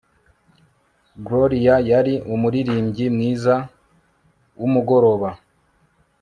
gloria yari umuririmbyi mwiza wumugoroba